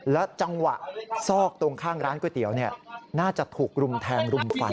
และจังหวะซอกตรงข้างร้านก๋วยเตี๋ยวน่าจะถูกรุมแทงรุมฟัน